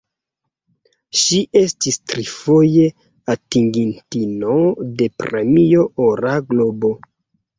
Ŝi estis trifoje atingintino de Premio Ora Globo.